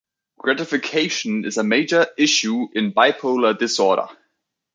Gratification is a major issue in bipolar disorder.